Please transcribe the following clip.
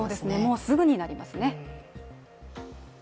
もうすぐになりますね。